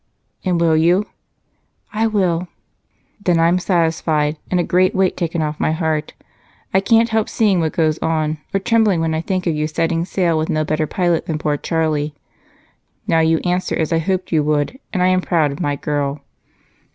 "And will you?" "I will." "Then I'm satisfied, and a great weight taken off my heart. I can't help seeing what goes on, or trembling when I think of you setting sail with no better pilot than poor Charlie. Now you answer as I hoped you would, and I am proud of my girl!"